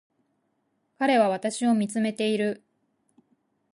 彼は私を見つめている